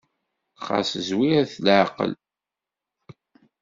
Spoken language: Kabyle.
Xas zwiret leɛqel.